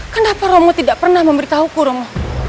kenapa romo tidak pernah memberitahuku romo